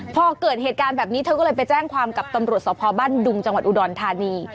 พอเกิดเหตุการณ์แบบนี้เธอก็เลยไปแจ้งความกับตำรวจสพบ้านดุงจังหวัดอุดรธานี